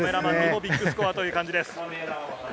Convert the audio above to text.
ビッグスコアという感じです。